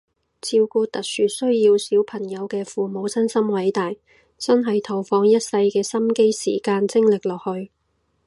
照顧特殊需要小朋友嘅父母真心偉大，真係投放一世嘅心機時間精力落去